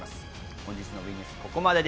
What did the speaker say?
本日のＷＥニュース、ここまで。